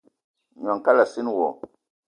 Gnong kalassina wo.